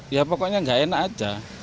ya pokoknya enggak enak saja